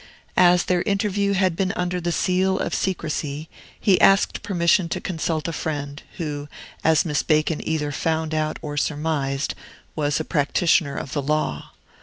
As their interview had been under the seal of secrecy, he asked permission to consult a friend, who, as Miss Bacon either found out or surmised, was a practitioner of the law.